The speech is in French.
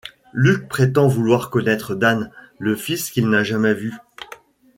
Luke prétend vouloir connaître Dane, le fils qu'il n'a jamais vu.